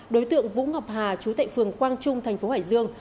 đối tượng vũ ngọc hà chú tệ phường quang trung thành phố hải dương